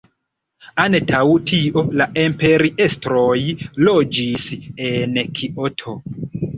Antaŭ tio la imperiestroj loĝis en Kioto.